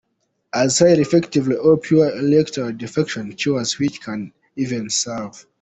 as highly effective all-pure erectile dysfunction cures which can even serve .